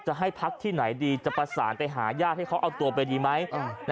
จะให้พักที่ไหนดีจะประสานไปหาญาติให้เขาเอาตัวไปดีไหม